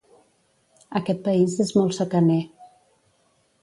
Aquest país és molt secaner.